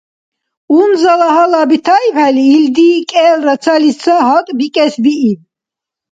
Унзала гьала бетаибхӀели, илди кӀелра цалис ца гьакӀбикӀесбииб.